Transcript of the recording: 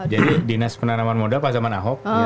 jadi dinas penanaman moda pas zaman ahok